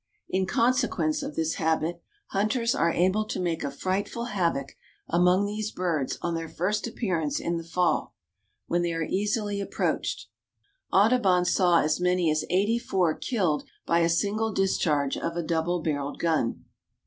In consequence of this habit hunters are able to make a frightful havoc among these birds on their first appearance in the fall, when they are easily approached. Audubon saw as many as eighty four killed by a single discharge of a double barreled gun.